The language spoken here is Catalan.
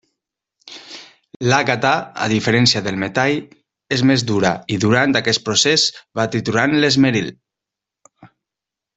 L'àgata, a diferència del metall, és més dura i durant aquest procés va triturant l'esmeril.